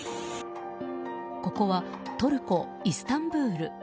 ここはトルコ・イスタンブール。